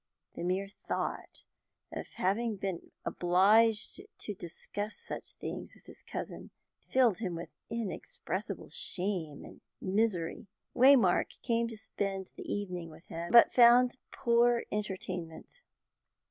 The mere thought of having been obliged to discuss such things with his cousin filled him with inexpressible shame and misery. Waymark came to spend the evening with him, but found poor entertainment.